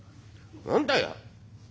何だよ！